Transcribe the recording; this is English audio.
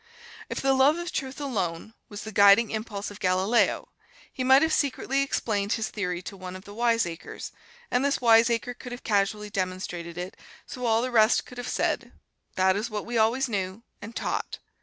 If the love of Truth, alone, was the guiding impulse of Galileo, he might have secretly explained his theory to one of the wiseacres, and this wiseacre could have casually demonstrated it, so all the rest could have said, "That is what we always knew and taught."